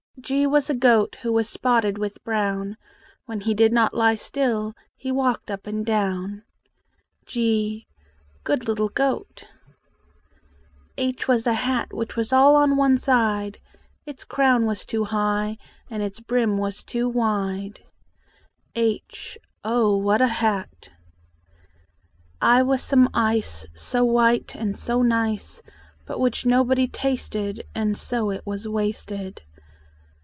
G was a goat Who was spotted with brown: When he did not lie still He walked up and down. g Good little goat! H was a hat Which was all on one side; Its crown was too high, And its brim was too wide. h Oh, what a hat! I was some ice So white and so nice, But which nobody tasted; And so it was wasted.